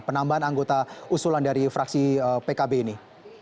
penambahan anggota usulan dari fraksi pkb ini